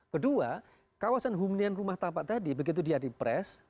kedua kawasan hunian rumah tapak tadi begitu dia di press